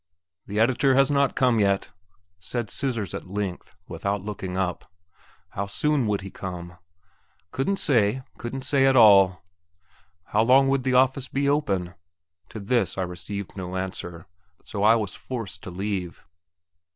"The editor has not come yet!" said "Scissors" at length, without looking up. How soon would he come? "Couldn't say couldn't say at all!" How long would the office be open? To this I received no answer, so I was forced to leave.